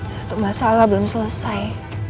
satu masalah belum selesai